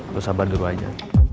lo sabar dulu aja